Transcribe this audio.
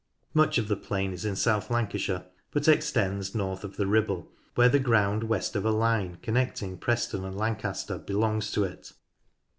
Much of the plain is in South Lancashire, but extends north of the Ribble where the ground west of a line connecting Preston and Lancaster belongs to it.